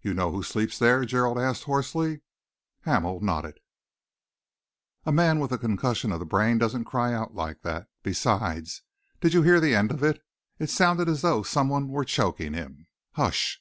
"You know who sleeps there?" Gerald asked hoarsely. Hamel nodded. "A man with concussion of the brain doesn't cry out like that. Besides, did you hear the end of it? It sounded as though some one were choking him. Hush!"